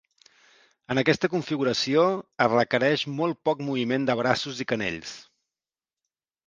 En aquesta configuració, es requereix molt poc moviment de braços i canells.